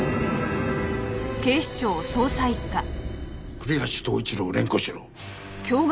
栗橋東一郎を連行しろ。